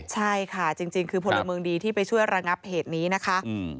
ใช่ค่ะจริงคือพลเมืองดีที่ไปช่วยระงับเหตุนี้นะคะ